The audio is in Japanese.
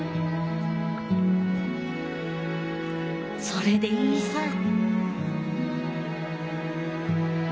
それでいいさぁ。